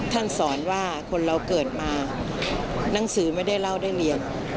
สอนว่าคนเราเกิดมาหนังสือไม่ได้เล่าได้เรียน